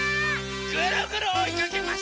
ぐるぐるおいかけます！